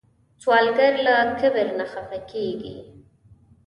سوالګر له کبر نه خفه کېږي